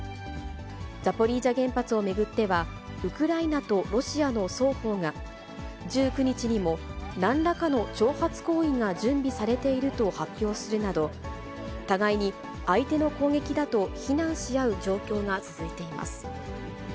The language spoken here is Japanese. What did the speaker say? ザポリージャ原発を巡っては、ウクライナとロシアの双方が、１９日にもなんらかの挑発行為が準備されていると発表するなど、互いに相手の攻撃だと非難し合う状況が続いています。